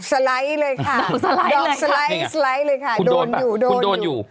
ดอกสไลด์เลยค่ะดอกสไลด์เลยค่ะดอกสไลด์สไลด์เลยค่ะโดนอยู่โดนอยู่